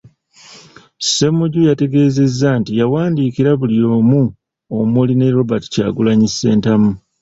Ssemujju yategeezezza nti yawandiikira buli omu omuli ne Robert Kyagulanyi Ssentamu.